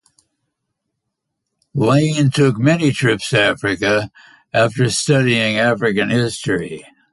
Layne took many trips to Africa, after studying African history.